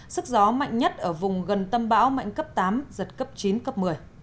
sức gió mạnh nhất ở vùng gần tâm bão mạnh cấp tám giật cấp chín cấp một mươi